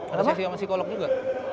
ada saksi sama psikolog juga